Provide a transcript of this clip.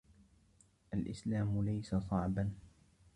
الإسلام ليس صعبا.